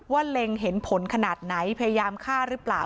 เล็งเห็นผลขนาดไหนพยายามฆ่าหรือเปล่า